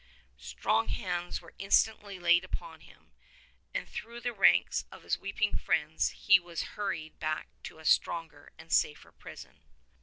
Strong hands were instantly laid upon him, and through the ranks of his weeping friends he was hurried back to a stronger and a safer prison.